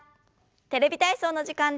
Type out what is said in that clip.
「テレビ体操」の時間です。